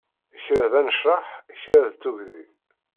Kra d anecreḥ, kra d tugdi.